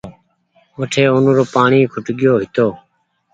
وٺي ونورو پآڻيٚ کٽگيو هيتو